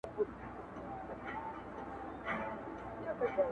o د هر چا آب پخپل لاس کي دئ.